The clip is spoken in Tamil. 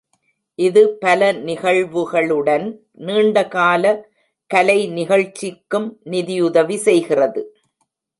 இது பல நிகழ்வுகளுடன் நீண்டகால கலை நிகழ்ச்சிக்கும் நிதியுதவி செய்கிறது.